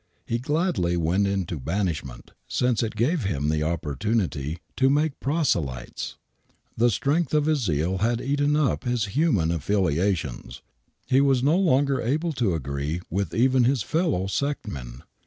He gladly went into banishment, since it gave him an opportunity to make proselytes. The strength of his zeal had eaten up his human affiliations — ^he was no longer able to agree with even his fellow sectmen.